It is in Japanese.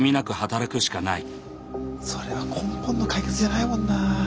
それは根本の解決じゃないもんなぁ。